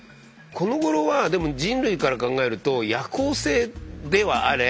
このごろはでも人類から考えると夜行性ではあれ